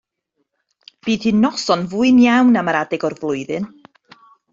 Bydd hi'n noson fwyn iawn am yr adeg o'r flwyddyn.